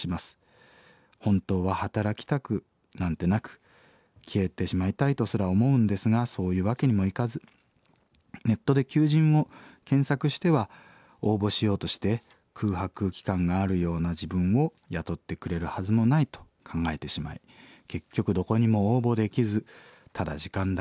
本当は働きたくなんてなく消えてしまいたいとすら思うんですがそういうわけにもいかずネットで求人を検索しては応募しようとして空白期間があるような自分を雇ってくれるはずもないと考えてしまい結局どこにも応募できずただ時間だけが過ぎていきます。